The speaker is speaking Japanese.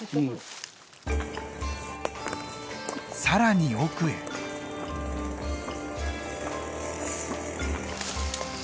更に奥へ。